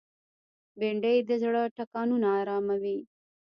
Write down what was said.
بېنډۍ د زړه ټکانونه آراموي